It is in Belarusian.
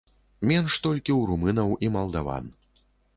Менш толькі ў румынаў і малдаван.